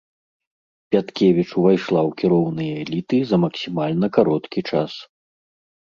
Пяткевіч увайшла ў кіроўныя эліты за максімальна кароткі час.